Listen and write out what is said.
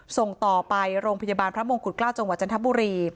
ส่งต่อไปโรงพยาบาลพระมงกุฎเกล้าจังหวัดจันทบุรี